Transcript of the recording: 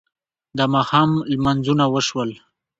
د ماښام لمونځونه وشول.